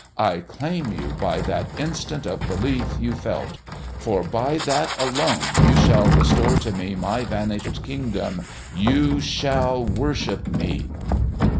I claim you by that instant of belief you felt. For by that alone you shall restore to me my vanished Kingdom. You shall worship me."